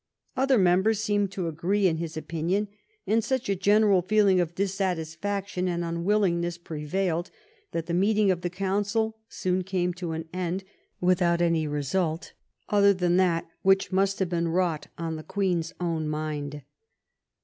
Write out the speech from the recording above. Other members seemed to agree in his opinion, and such a general feeling of dissatis faction and unwillingness prevailed that the meeting of the council soon came to an end, without any result other than that which must have been wrought on the Queen's own mind.